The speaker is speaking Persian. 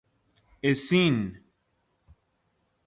اِسین